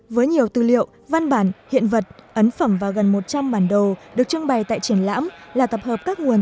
với nhiều tư liệu văn bản hiện vật ấn phẩm và gần một trăm linh bản đồ được trưng bày tại triển lãm là tập hợp các nguồn